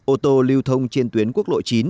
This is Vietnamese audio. ô tô lưu thông trên tuyến quốc lộ chín